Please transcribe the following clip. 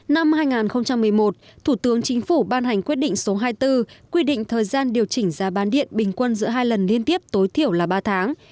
năm hai nghìn một mươi một thủ tướng chính phủ ban hành quyết định số hai mươi bốn quy định thời gian điều chỉnh giá bán điện bình quân giữa hai lần liên tiếp tối thiểu là ba tháng